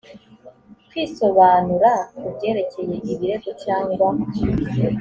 kwisobanura ku byerekeye ibirego cyangwa